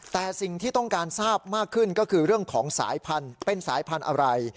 แต่สิ่งที่ต้องการทราบมากขึ้นก็คือเรื่องของสายพันธุ์เป็นสายพันธุ์อะไร